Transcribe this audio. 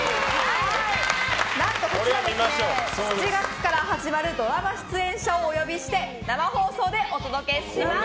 何とこちら７月から始まるドラマ出演者をお呼びして生放送でお届けします！